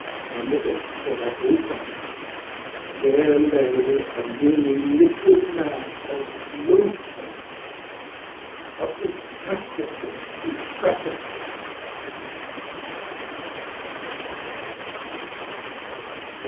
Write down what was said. Upon the bed, before that whole company, there lay a nearly liquid mass of loathsomeŌĆöof detestable putrescence.